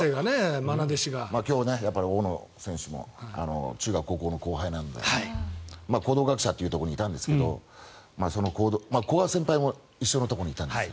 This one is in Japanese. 大野選手も中学、高校の後輩なので講道学舎というところにいたんですけど古賀先輩も一緒のところにいたんですよ。